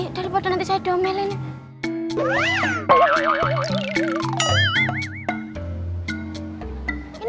udah udah nanti saya domelin